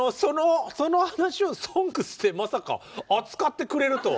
その話を「ＳＯＮＧＳ」でまさか扱ってくれるとは。